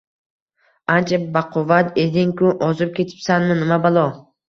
Ancha baquvvat eding-ku, ozib ketibsanmi, nima balo